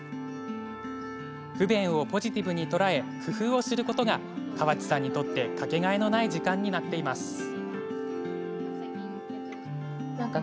不便をポジティブに捉え工夫をすることが川地さんにとって掛けがえのない時間になっています。